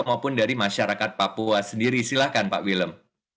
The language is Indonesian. maupun dari masyarakat papua sendiri silahkan pak willem